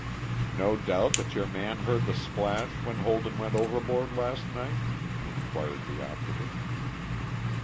"No doubt that your man heard the splash when Holden went overboard last night?" inquired the operative.